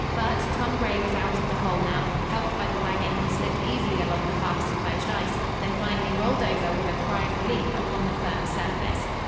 But Tom Gray was out of the hole now; helped by the wagon he slipped easily along the half submerged ice, then finally rolled over with a cry of relief upon the firm surface.